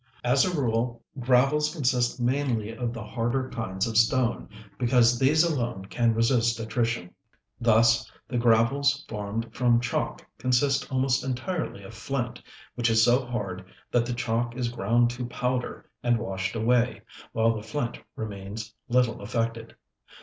As a rule gravels consist mainly of the harder kinds of stone because these alone can resist attrition. Thus the gravels formed from chalk consist almost entirely of flint, which is so hard that the chalk is ground to powder and washed away, while the flint remains little affected.